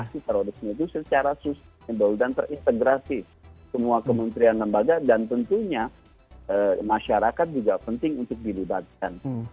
aksi terorisme itu secara sustainable dan terintegrasi semua kementerian lembaga dan tentunya masyarakat juga penting untuk dilibatkan